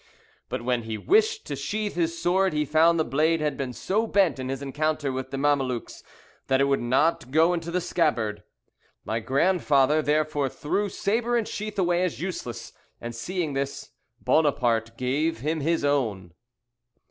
But when he wished to sheath his sword he found the blade had been so bent in his encounter with the Mamelukes that it would not go into the scabbard. My grandfather therefore threw sabre and sheath away as useless, and, seeing this, Buonaparte gave him his own."